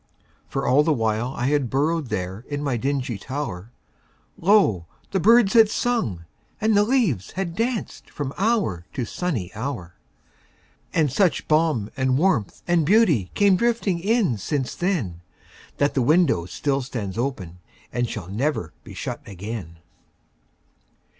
For all the while I had burrowedThere in my dingy tower, Lo! the birds had sung and the leaves had dancedFrom hour to sunny hour. And such balm and warmth and beautyCame drifting in since then, That the window still stands openAnd shall never be shut again.